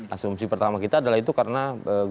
asumsi pertama kita adalah itu karena